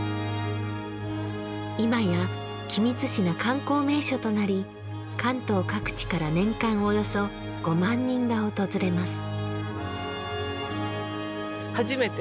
いまや君津市の観光名所となり関東各地から年間およそ５万人が訪れます。